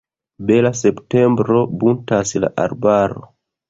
Bela septembro - buntas la arbaro.